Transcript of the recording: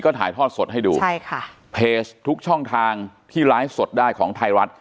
ก็ถ่ายทอดสดให้ดูใช่ค่ะทุกช่องทางที่ไลท์สดได้ของทร